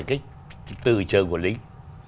cái từ chừng của lính